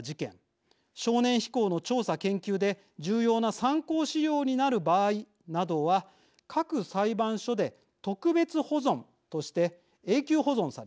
少年非行の調査研究で重要な参考資料になる場合などは各裁判所で特別保存として永久保存されます。